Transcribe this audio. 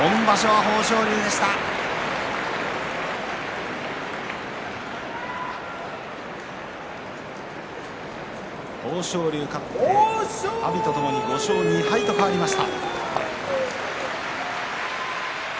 豊昇龍勝って阿炎とともに５勝２敗と変わりました。